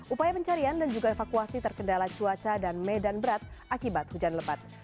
upaya pencarian dan juga evakuasi terkendala cuaca dan medan berat akibat hujan lebat